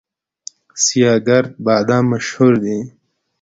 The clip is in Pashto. سیاه ګرد بادام مشهور دي؟